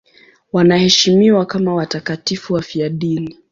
Wanaheshimiwa kama watakatifu wafiadini.